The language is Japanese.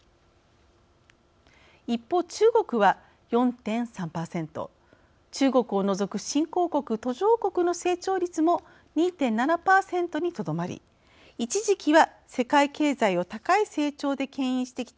一方、中国は４．３％中国を除く新興国・途上国の成長率も２．７％にとどまり一時期は世界経済を高い成長でけん引してきた